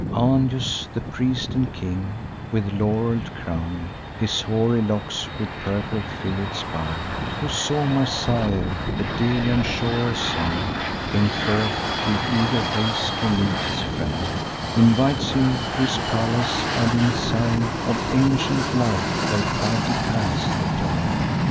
"Anius, the priest and king, with laurel crown'd, His hoary locks with purple fillets bound, Who saw my sire the Delian shore ascend, Came forth with eager haste to meet his friend; Invites him to his palace; and, in sign Of ancient love, their plighted hands they join.